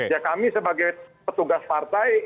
ya kami sebagai petugas partai